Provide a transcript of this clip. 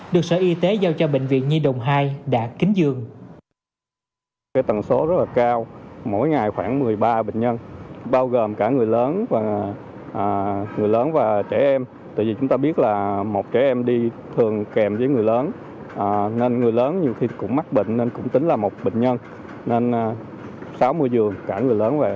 được sở y tế giao cho bệnh viện nhi động hai đã kính dường